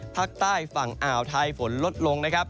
ภาคใต้ฝั่งอ่าวไทยฝนลดลงนะครับ